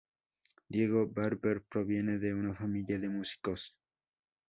Diego Barber proviene de una familia de músicos.